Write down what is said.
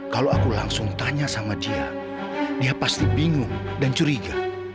kalau aku langsung tanya sama dia dia pasti bingung dan curiga